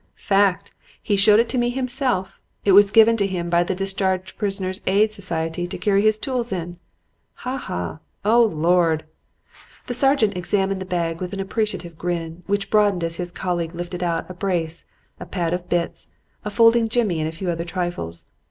"'Fact. He showed it to me himself. It was given to him by the 'Discharged Prisoners' Aid Society' to carry his tools in. Ha! Ha! O Lord!' "The sergeant examined the bag with an appreciative grin, which broadened as his colleague lifted out a brace, a pad of bits, a folding jimmy and a few other trifles.